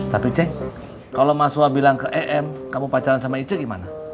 tapi ceng kalau mas suha bilang ke em kamu pacaran sama icek gimana